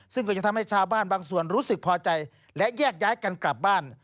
ซึ่งก็จะทำให้ชาวบ้านบางส่วนรู้สึกพอใจและแยกย้ายกันกลับบ้าน